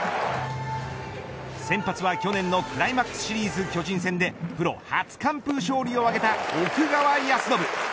先発は去年のクライマックスシリーズ巨人戦でプロ初完封勝利を挙げた奥川恭伸。